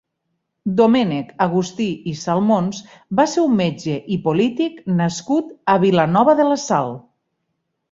Domènec Agustí i Salmons va ser un metge i polític nascut a Vilanova de la Sal.